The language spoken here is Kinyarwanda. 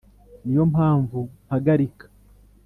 Ni yo mpamvu mpagarika